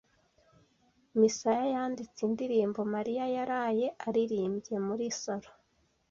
Misaya yanditse indirimbo Mariya yaraye aririmbye muri salo.